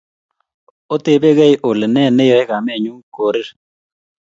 Otebekei Ole ne neyoe kamenyu korir